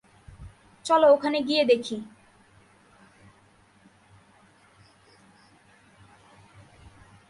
চল ওখানে গিয়ে দেখি।